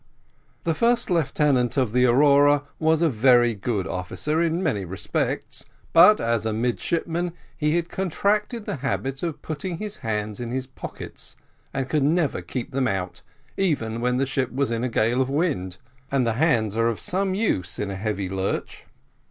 The first lieutenant of the Aurora was a very good officer in many respects, but, as a midshipman, he had contracted the habit of putting his hands in his pockets, and could never keep them out, even when the ship was in a gale of wind; and hands are of some use in a heavy lurch.